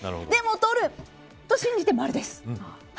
でも取ると信じて丸です。